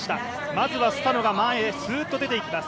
まずはスタノが前へすっと出て行きます。